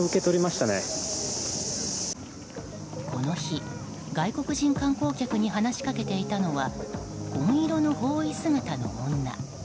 この日、外国人観光客に話しかけていたのは紺色の法衣姿の女。